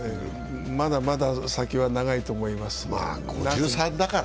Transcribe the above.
まだまだ先は長いと思います。